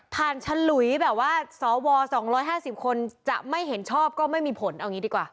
ฉลุยแบบว่าสว๒๕๐คนจะไม่เห็นชอบก็ไม่มีผลเอางี้ดีกว่า